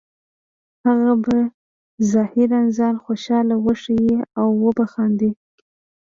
هغه به ظاهراً ځان خوشحاله وښیې او وبه خاندي